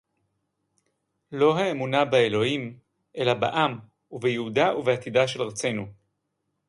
לא האמונה באלוהים, אלא בעם ובייעודה ובעתידה של ארצנו.